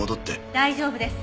大丈夫です。